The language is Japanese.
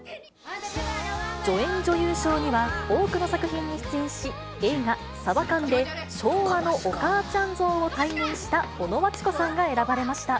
助演女優賞には、多くの作品に出演し、映画、サバカンで昭和のお母ちゃん像を体現した、尾野真千子さんが選ばれました。